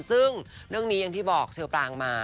ซึ่งเรื่องนี้อย่างที่บอกเชอปรางมา